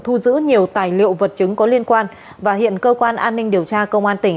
thu giữ nhiều tài liệu vật chứng có liên quan và hiện cơ quan an ninh điều tra công an tỉnh